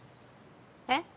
えっ？